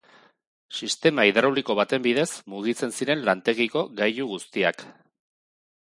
Sistema hidrauliko baten bidez mugitzen ziren lantegiko gailu guztiak.